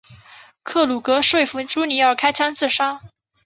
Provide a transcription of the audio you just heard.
克鲁格说服朱尼尔开枪自杀。